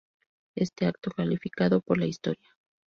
Este acto, calificado por la historia.